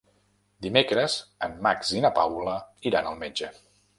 Dimecres en Max i na Paula iran al metge.